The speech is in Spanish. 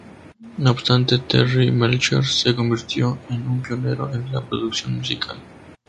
No obstante, Terry Melcher se convirtió en un pionero en la producción musical.